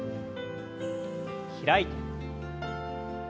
開いて。